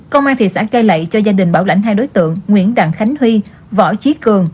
công an thị xã cây lệ cho gia đình bảo lãnh hai đối tượng nguyễn đặng khánh huy võ chí cường